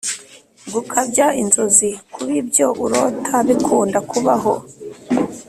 gukabya inzozi: kuba ibyo urota bikunda kubaho